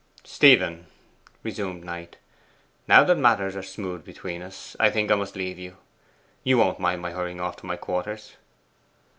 'Stephen.' resumed Knight, 'now that matters are smooth between us, I think I must leave you. You won't mind my hurrying off to my quarters?